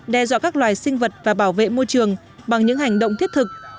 đe dọa các loài sinh vật và bảo vệ môi trường bằng những hành động thiết thực